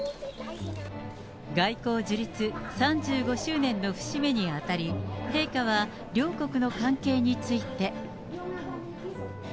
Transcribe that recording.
外交樹立３５周年の節目にあたり、陛下は、両国の関係について。